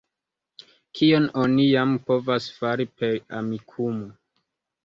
Kion oni jam povas fari per Amikumu?